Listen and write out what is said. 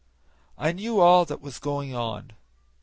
I knew all that was going on.